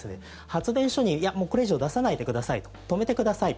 発電所に、いや、もうこれ以上出さないでください止めてください